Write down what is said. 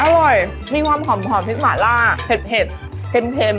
อร่อยมีความหอมพริกหมาล่าเผ็ดเค็ม